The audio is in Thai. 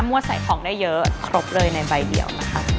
พวกมันชื่อเสริมของได้เยอะครบเลยในใบเดียว